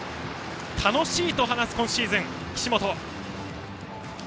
楽しいと話す今シーズン。